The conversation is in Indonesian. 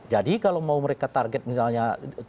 kalau mau mereka target misalnya